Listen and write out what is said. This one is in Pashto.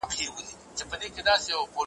له لېوه سره په پټه خوله روان سو `